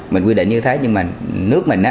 mình quy định như thế nhưng mà nước mình